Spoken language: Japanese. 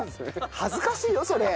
恥ずかしいよそれ！